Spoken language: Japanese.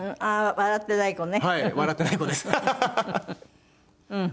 笑ってない子です。